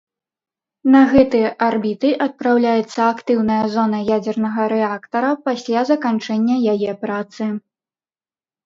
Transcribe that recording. На гэтыя арбіты адпраўляецца актыўная зона ядзернага рэактара пасля заканчэння яе працы.